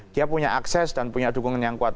dia punya akses dan punya dukungan yang kuat